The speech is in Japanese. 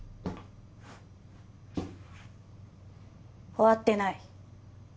終わってない。